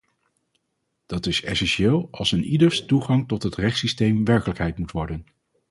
Dat is essentieel als eenieders toegang tot het rechtssysteem werkelijkheid moet worden.